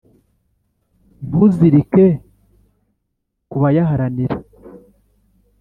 ntuzirike ku bayaharanira.